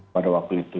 pada waktu itu